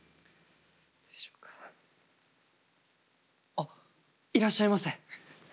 あっいらっしゃいませ。